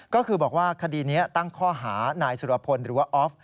ก็คือบอกว่าคดีนี้ตั้งข้อหานายสุรพลหรือว่าออฟ